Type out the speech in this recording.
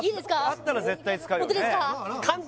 あったら絶対使うよね